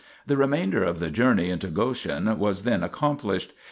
The remainder of the journey into Goshen 2 was then accomplished.